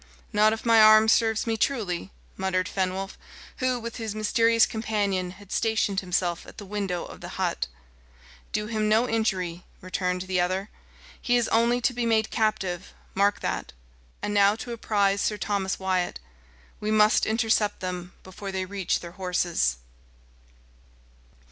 "Not if my arm serves me truly," muttered Fenwolf, who, with his mysterious companion, had stationed himself at the window of the hut. "Do him no injury," returned the other; "he is only to be made captive mark that. And now to apprise Sir Thomas Wyat. We must intercept them before they reach their horses."